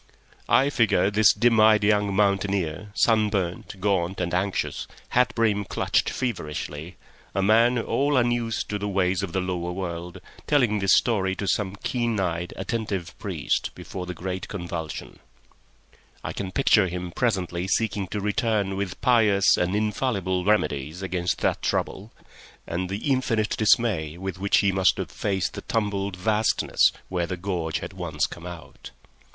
I figure this dim eyed young mountaineer, sunburnt, gaunt, and anxious, hat brim clutched feverishly, a man all unused to the ways of the lower world, telling this story to some keen eyed, attentive priest before the great convulsion; I can picture him presently seeking to return with pious and infallible remedies against that trouble, and the infinite dismay with which he must have faced the tumbled vastness where the gorge had once come out.